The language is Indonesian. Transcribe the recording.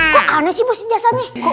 kok aneh sih bos ijazahnya